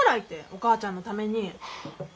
お母ちゃんのために。